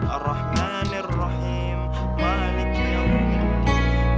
arrahmanirrahim malik ya